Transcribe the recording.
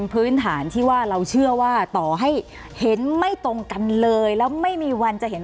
พื้นฐานที่ว่าเราเชื่อว่าต่อให้เห็นไม่ตรงกันเลยแล้วไม่มีวันจะเห็น